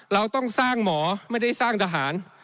เราต้องสร้างหมอไม่ได้สร้างทหาร